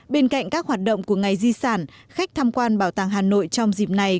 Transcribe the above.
bên cạnh các hoạt động của ngày di sản khách tham quan bảo tàng hà nội trong dịp này